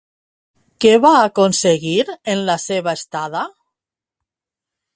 Què va aconseguir en la seva estada?